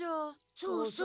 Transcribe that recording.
そうそう。